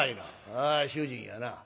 「ああ主人やな。